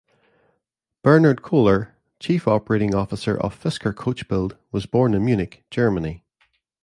Bernhard Koehler, Chief Operating Officer of Fisker Coachbuild was born in Munich, Germany.